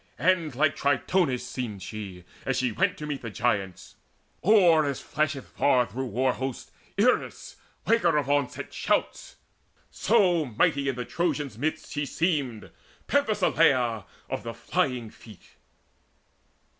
And like Tritonis seemed she, as she went To meet the Giants, or as flasheth far Through war hosts Eris, waker of onset shouts. So mighty in the Trojans' midst she seemed, Penthesileia of the flying feet.